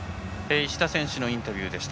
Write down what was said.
石田選手のインタビューでした。